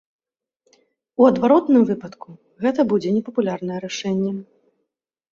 У адваротным выпадку, гэта будзе непапулярнае рашэнне.